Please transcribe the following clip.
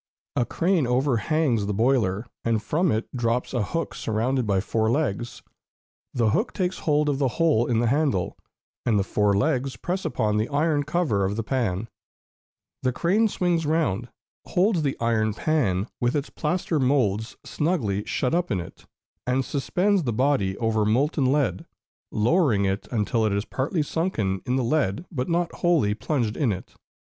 A crane overhangs the boiler, and from it drops a hook surrounded by four legs; the hook takes hold of the hole in the handle, and the four legs press upon the iron cover of the pan; the crane swings round, holds the iron pan with its plaster moulds snugly shut up in it, and suspends the body over molten lead, lowering it until it is partly sunken in the lead but not wholly plunged in it.